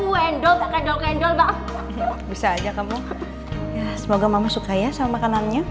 wendel kandung kandung bisa aja kamu semoga mama suka ya sama kanannya